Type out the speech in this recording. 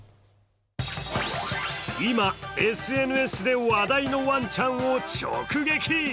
今、ＳＮＳで話題のワンちゃんを直撃。